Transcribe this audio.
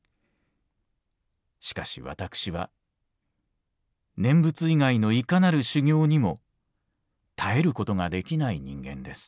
しかし私は念仏以外のいかなる修行にも堪えることができない人間です。